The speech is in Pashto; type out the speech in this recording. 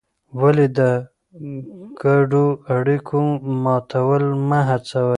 ولې د ګډو اړیکو ماتول مه هڅوې؟